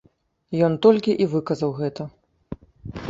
Ён толькі і выказаў гэта.